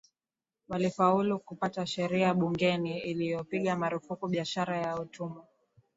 walifaulu kupata sheria bungeni iliyopiga marufuku biashara ya utumwa